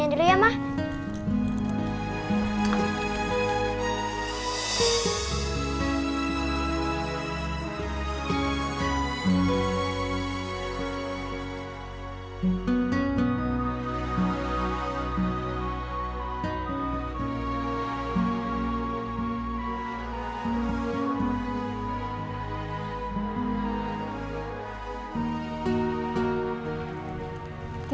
ja engasih ty bagasnya afore